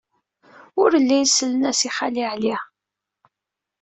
Ur llin sellen-as i Xali Ɛli.